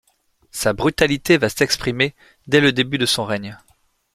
Sa brutalité va s’exprimer dès le début de son règne.